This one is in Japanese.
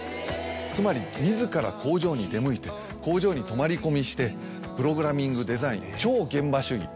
つまり自ら工場に出向いて工場に泊まり込みしてプログラミングデザイン超現場主義。